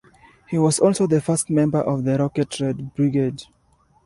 He was also the first member of the Rocket Red Brigade.